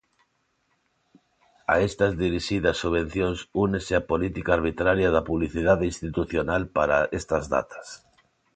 A estas dirixidas subvencións únese a política arbitraria da publicidade institucional para estas datas.